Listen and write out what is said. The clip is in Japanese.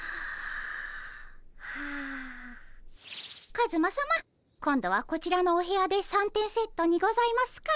カズマさま今度はこちらのお部屋で三点セットにございますか？